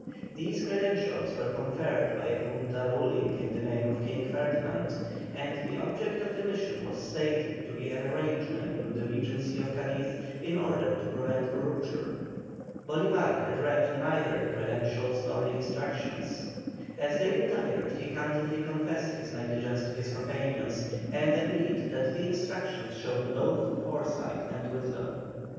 These credentials were conferred by a Junta ruling in the name of King Ferdinand, and the object of the mission was stated to be an arrangement with the Regency of Cadiz in order to prevent a rupture. Bolívar had read neither the credentials nor the instructions. As they retired, he candidly confessed his negligence to his companions, and agreed that the instructions showed both foresight and wisdom.